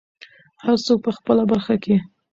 هر څوک په خپله برخه کې.